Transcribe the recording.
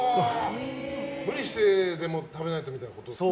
無理してでも食べないとみたいなことですか。